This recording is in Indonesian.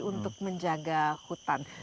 untuk menjaga hutan